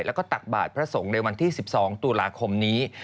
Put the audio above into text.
แล้วก็ตักบาทพระสงฆ์ในวันที่๑๒ตุลาคมนี้